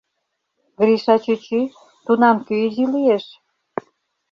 Гриша чӱчӱ, тунам кӧ изи лиеш?